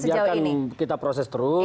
sejauh ini kita proses terus